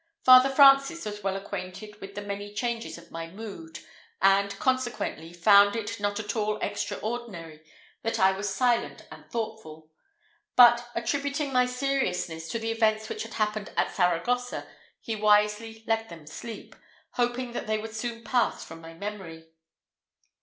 Father Francis was well acquainted with the many changes of my mood, and, consequently, found it not at all extraordinary that I was silent and thoughtful; but, attributing my seriousness to the events which had happened at Saragossa, he wisely let them sleep, hoping that they would soon pass from my memory.